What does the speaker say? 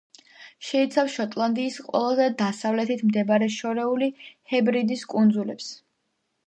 შეიცავს შოტლანდიის ყველაზე დასავლეთით მდებარე შორეული ჰებრიდის კუნძულებს.